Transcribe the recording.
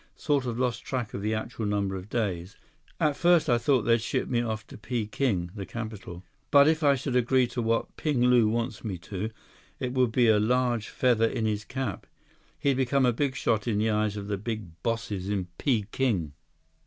Sort of lost track of the actual number of days. At first I thought they'd ship me off to Peking, the capital. But if I should agree to what Ping Lu wants me to, it would be a large feather in his cap. He'd become a big shot in the eyes of the big bosses in Peking."